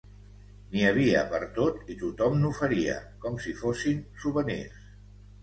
N'hi havia pertot i tothom n'oferia, com si fossin souvenirs.